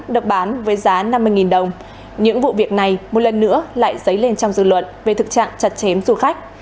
được bán với giá năm mươi đồng những vụ việc này một lần nữa lại dấy lên trong dư luận về thực trạng chặt chém du khách